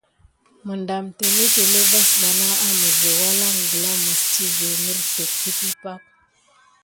Məɗam télétélé vaskiɓana aməzə awalaŋ gla mes tivét mərslét təkəhi pak.